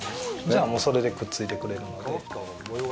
それでくっついてくれるので。